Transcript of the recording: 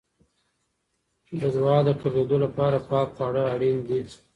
د دعا د قبلېدو لپاره پاکه خواړه اړین دي.